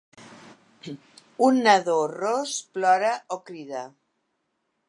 Un nadó ros plora o crida.